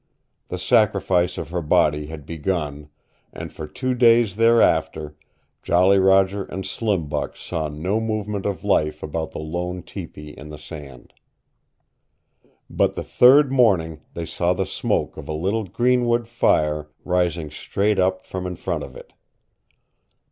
The sacrifice of her body had begun, and for two days thereafter Jolly Roger and Slim Buck saw no movement of life about the lone tepee in the sand. But the third morning they saw the smoke of a little greenwood fire rising straight up from in front of it.